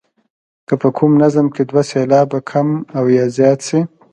که په کوم نظم کې دوه سېلابه کم او یا زیات شي.